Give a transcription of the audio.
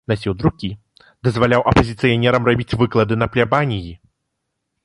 Насіў друкі, дазваляў апазіцыянерам рабіць выклады на плябаніі.